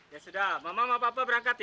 ya sudah mama sama papa berangkat ya